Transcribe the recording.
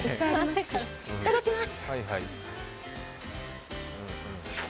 いただきます。